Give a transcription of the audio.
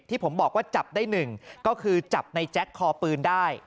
ที่ผมบอกว่าจับได้หนึ่งก็คือจับในแจ็คคอปืนได้